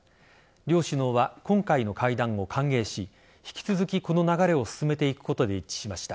両首脳は今回の会談を歓迎し引き続きこの流れを進めていくことで一致しました。